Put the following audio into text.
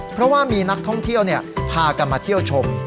เพราะว่ามีนักท่องเที่ยวพากันมาเที่ยวชม